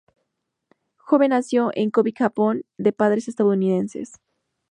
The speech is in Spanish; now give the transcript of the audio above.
Jones nació en Kobe, Japón, de padres estadounidenses.